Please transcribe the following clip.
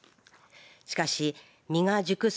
しかし実が熟す